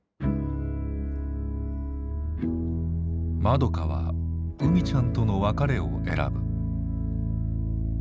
まどかはうみちゃんとの別れを選ぶ。